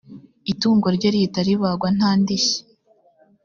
itungo rye rihita ribagwa nta ndishyi